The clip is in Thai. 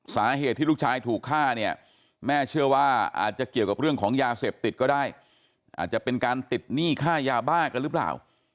สาเหตุที่ลูกชายถูกฆ่าเนี่ยแม่เชื่อว่าอาจจะเกี่ยวกับเรื่องของยาเสพติดก็ได้อาจจะเป็นการติดหนี้ค่ายาบ้ากันหรือเปล่า